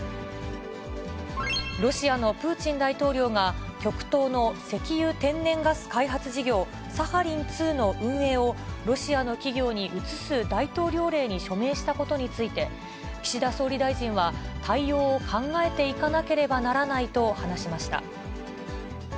ロシアのプーチン大統領が、極東の石油・天然ガス開発事業、サハリン２の運営をロシアの企業に移す大統領令に署名したことについて、岸田総理大臣は対応を考えていかなければならないと話しました。